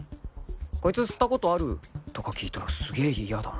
「こいつ吸ったことある」とか聞いたらすげえ嫌だもん